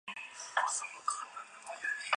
围口冠蛭蚓为蛭蚓科冠蛭蚓属的动物。